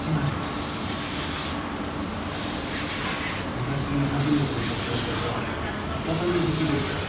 私が初めて見た教会は畳敷きでしたよ。